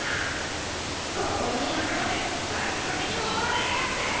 心の中までバキバキに折られやがって！